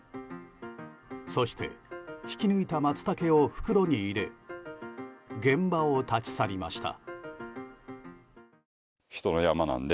そして、引き抜いたマツタケを袋に入れ現場を立ち去りました。